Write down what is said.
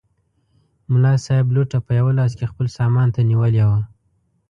ملا صاحب لوټه په یوه لاس کې خپل سامان ته نیولې وه.